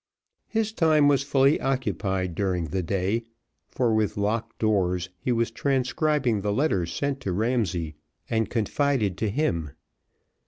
His time was fully occupied during the day, for with locked doors he was transcribing the letters sent to Ramsay, and confided to him.